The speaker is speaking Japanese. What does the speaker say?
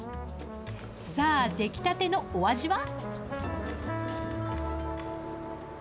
さあ、出来たてのお味は？